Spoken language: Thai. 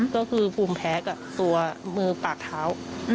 ก็คือภูมิแพ้กับตัวมือปากเท้า